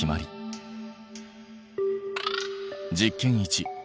実験１。